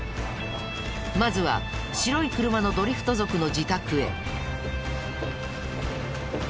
まずは白い車のドリフト族の自宅へ。